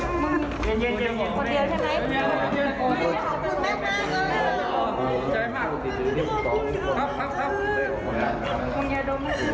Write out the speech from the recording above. หัวโดยเบียง